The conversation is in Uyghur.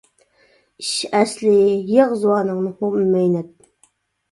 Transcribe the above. ئىش ئەسلى. -يىغ زۇۋانىڭنى، ھۇ مەينەت.